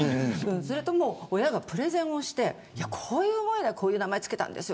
それとも、親がプレゼンをしてこういう思いでこういう名前をつけたんです。